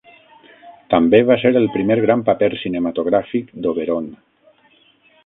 També va ser el primer gran paper cinematogràfic d'Oberon.